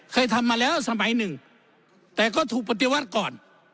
เคยทำมาแล้วสมัยหนึ่งแต่ก็ถูกปฏิวัติก่อน